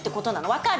分かる？